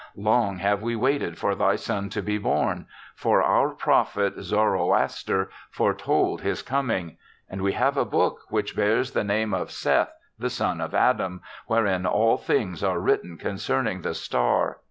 Long have we waited for thy son to be born, for our prophet, Zoroaster, foretold his coming; and we have a book, which bears the name of Seth the son of Adam, wherein all things are written con cerning the star.